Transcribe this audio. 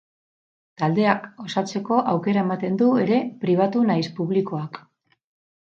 Taldeak osatzeko aukera ematen du ere, pribatu naiz publikoak.